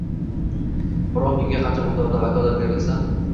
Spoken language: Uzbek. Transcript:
biron kimga qancha miqdorda vakolat berilsa